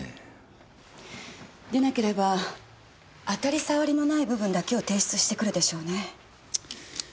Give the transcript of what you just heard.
でなければ当たり障りのない部分だけを提出してくるでしょうね。